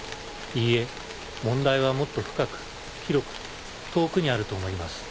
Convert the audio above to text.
いいえ問題はもっと深く広く遠くにあると思います。